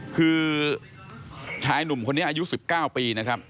คือชายหนุ่มคนนี้อายุ๑๙ปีนะครับ